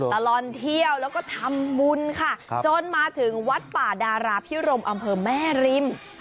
ตลอดเที่ยวแล้วก็ทำบุญค่ะจนมาถึงวัดป่าดาราพิรมอำเภอแม่ริม